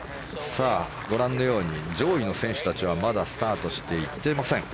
ご覧のように、上位の選手たちはまだスタートしていません。